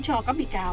cho các bi cáo